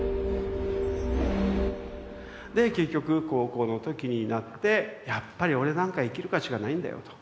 で結局高校の時になってやっぱり俺なんか生きる価値がないんだよと。